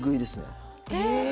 え！